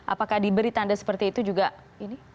apakah diberi tanda seperti itu juga ini